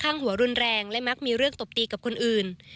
ข้างหัวรุนแรงและมักมีเรื่องตบตีกับคนอื่น